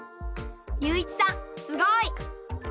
隆一さんすごい！